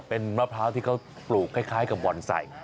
เป็นมะพร้าวที่เขาปลูกคล้ายกับบ่อนใส่